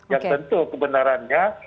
yang tentu kebenarannya